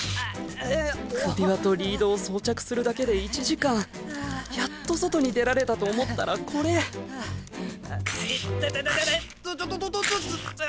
首輪とリードを装着するだけで１時間やっと外に出られたと思ったらコレいててててて。ととと。